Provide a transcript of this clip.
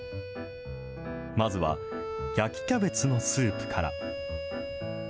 まずは焼きキャベツのスープから。